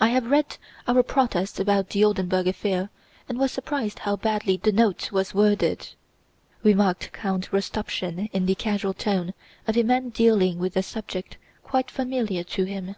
"I have read our protests about the Oldenburg affair and was surprised how badly the Note was worded," remarked Count Rostopchín in the casual tone of a man dealing with a subject quite familiar to him.